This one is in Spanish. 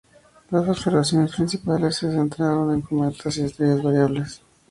Las observaciones principales se centraron en cometas y estrellas variables.